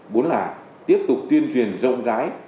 bốn là tiếp tục tuyên truyền rộng rãi